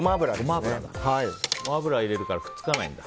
ゴマ油を入れるからくっつかないんだ。